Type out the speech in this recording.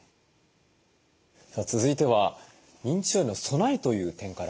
続いては認知症への備えという点から見ていきます。